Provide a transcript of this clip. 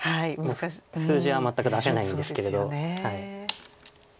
数字は全く出せないんですけれど。